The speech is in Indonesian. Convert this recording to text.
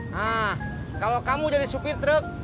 nah kalau kamu jadi supir truk